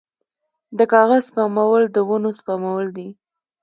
د کاغذ سپمول د ونو سپمول دي